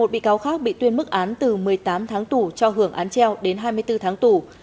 một mươi bị cáo khác bị tuyên mức án từ một mươi tám tháng tù cho hưởng án treo đến hai mươi bốn tháng tù